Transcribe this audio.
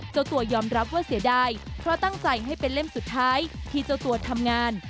เจ้าตัวยอมรับว่าเสียดายเพราะตั้งใจให้เป็นเล่มสุดท้ายที่เจ้าตัวทำงาน